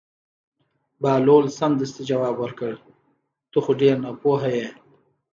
بهلول سمدستي ځواب ورکړ: ته خو ډېر ناپوهه یې.